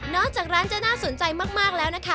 จากร้านจะน่าสนใจมากแล้วนะคะ